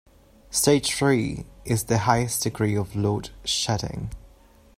Stage three is the highest degree of load shedding.